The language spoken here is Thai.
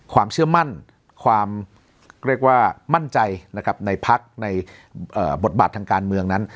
ความเชื่อมั่นความเรียกว่ามั่นใจนะครับในพักในบทบาททางการเมืองนั้น